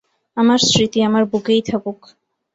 আমার স্মৃতি আমার বুকেই থাকুক।